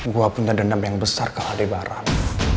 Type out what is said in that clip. gue punya dendam yang besar kalau ada barang